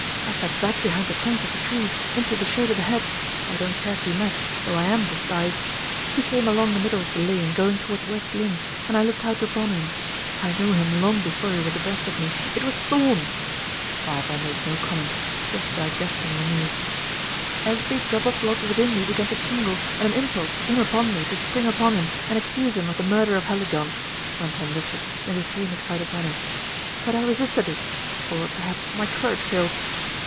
I stepped back behind the trunks of the trees, into the shade of the hedge, for I don't care to be met, though I am disguised. He came along the middle of the lane, going toward West Lynne, and I looked out upon him. I knew him long before he was abreast of me; it was Thorn." Barbara made no comment; she was digesting the news. "Every drop of blood within me began to tingle, and an impulse came upon me to spring upon him and accuse him of the murder of Hallijohn," went on Richard, in the same excited manner. "But I resisted it; or, perhaps, my courage failed.